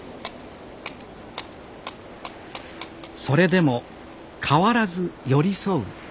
それでも変わらず寄り添う